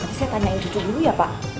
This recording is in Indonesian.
saya tanyain cucu dulu ya pak